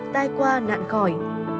tai qua nạn khỏi